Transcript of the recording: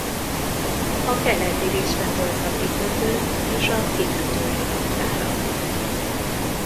A keleti részben volt a kikötő és a kikötői raktárak.